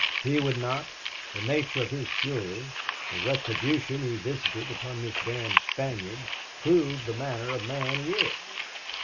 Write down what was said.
"He would not. The nature of his fury, the retribution he visited upon this damned Spaniard, prove the manner of man he is."